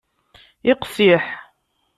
Iqsiḥ.